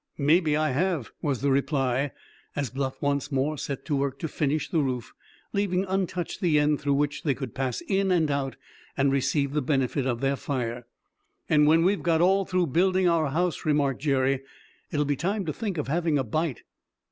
"Maybe I have," was the reply, as Bluff once more set to work to finish the roof, leaving untouched the end through which they could pass in and out and receive the benefit of their fire. "And when we've got all through building our house," remarked Jerry, "it'll be time to think of having a bite."